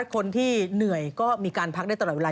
คนที่เหนื่อยก็มีการพักได้ตลอดเวลา